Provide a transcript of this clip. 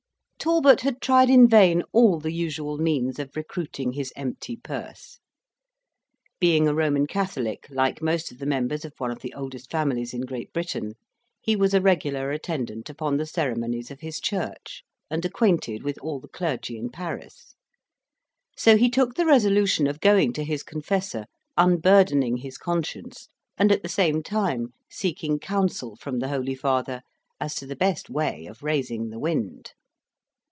Talbot had tried in vain all the usual means of recruiting his empty purse. Being a Roman Catholic, like most of the members of one of the oldest families in Great Britain, he was a regular attendant upon the ceremonies of his Church, and acquainted with all the clergy in Paris; so he took the resolution of going to his confessor, unburdening his conscience, and at the same time seeking counsel from the holy father, as to the best way of raising the wind.